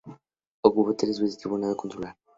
Ocupó tres veces el tribunado consular.